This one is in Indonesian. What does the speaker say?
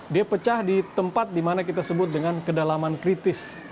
dia pecah di tempat dimana kita sebut dengan kedalaman kritis